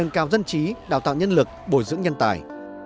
công trí đào tạo nhân lực bồi dưỡng nhân tài